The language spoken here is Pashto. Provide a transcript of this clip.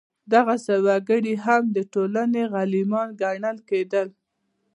دغسې وګړي هم د ټولنې غلیمان ګڼل کېدل.